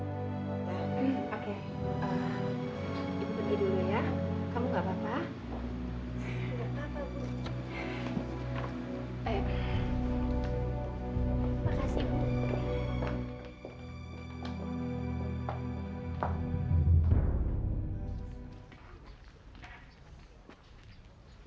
ibu pergi dulu ya kamu gak apa apa